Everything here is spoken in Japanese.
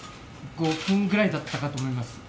５分ぐらいだったかと思います。